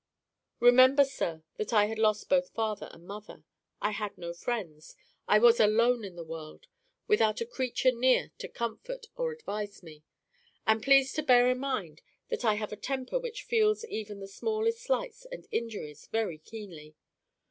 "Remember, sir, that I had lost both father and mother. I had no friends. I was alone in the world, without a creature near to comfort or advise me. And please to bear in mind that I have a temper which feels even the smallest slights and injuries very keenly.